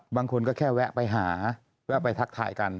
บางคนก็แค่แวะไปหาแวะไปทักทายกัน